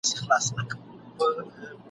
شاوخوا یې باندي ووهل څرخونه !.